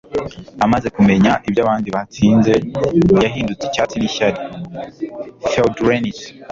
amaze kumenya ibyo abandi batsinze, yahindutse icyatsi nishyari. (feudrenais